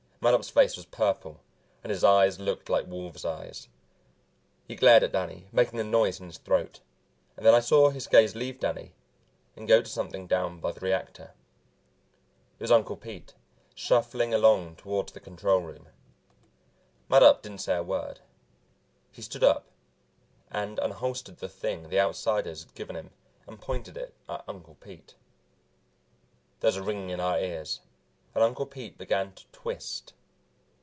Mattup's face was purple and his eyes looked like wolves' eyes. He glared at Danny, making a noise in his throat, and then I saw his gaze leave Danny and go to something down by the reactor. It was Uncle Pete, shuffling along toward the control room. Mattup didn't say a word. He stood up and unholstered the thing the Outsiders had given him and pointed it at Uncle Pete. There was a ringing in our ears and Uncle Pete began to twist.